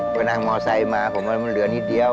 ก็นั่งหมอไซมาของมันเหลือนิดเดียว